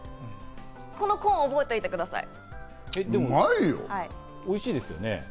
このコーンを覚えておいてください。